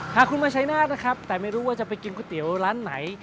พาคุณมาชัยนาธนะครับแต่ไม่รู้ว่าจะไปกินก๋วยเตี๋ยวร้านไหน